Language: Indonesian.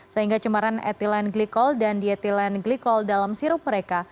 sehingga cemaran ethylene glycol dan dietylene glycol dalam sirup mereka